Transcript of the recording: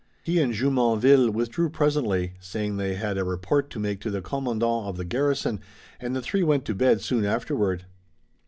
He and Jumonville withdrew presently, saying they had a report to make to the commandant of the garrison, and the three went to bed soon afterward.